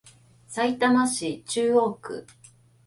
さいたま市中央区